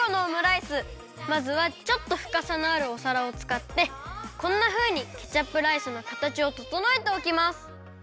まずはちょっとふかさのあるおさらをつかってこんなふうにケチャップライスのかたちをととのえておきます。